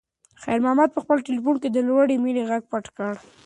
خیر محمد په خپل تلیفون کې د لور د مینې غږ پټ کړ.